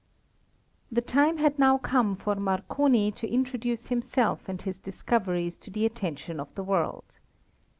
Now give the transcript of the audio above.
The time had now come for Marconi to introduce himself and his discoveries to the attention of the world.